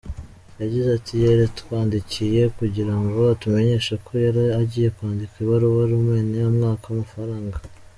Yagize ati "Yaratwandikiye kugira ngo atumenyeshe ko yari agiye kwandikira ibaruwa Romanie, amwaka amafaranga.